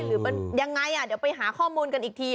หรือเป็นยังไงเดี๋ยวไปหาข้อมูลกันอีกที